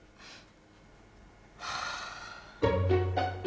はあ。